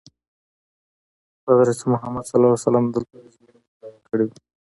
حضرت محمد دلته دجمعې لمونځ ادا کړی وو.